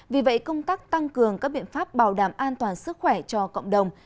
vì vậy công tác tăng cường các biện pháp bảo đảm an toàn sức khỏe cho cộng đồng